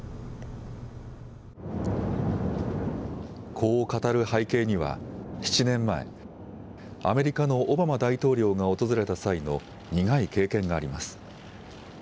こう語る背景には、７年前、アメリカのオバマ大統領が訪れた際の苦い経験があります。